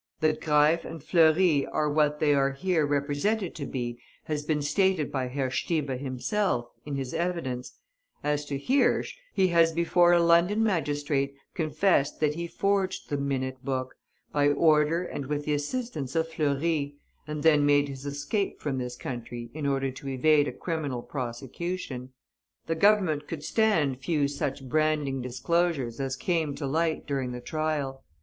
That Greif and Fleury are what they are here represented to be has been stated by Herr Stieber himself, in his evidence; as to Hirsch, he has before a London magistrate confessed that he forged the "minute book," by order and with the assistance of Fleury, and then made his escape from this country in order to evade a criminal prosecution. The Government could stand few such branding disclosures as came to light during the trial.